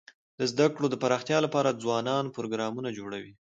د زده کړو د پراختیا لپاره ځوانان پروګرامونه جوړوي.